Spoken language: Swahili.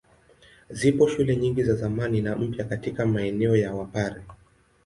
Zipo shule nyingi za zamani na mpya katika maeneo ya Wapare.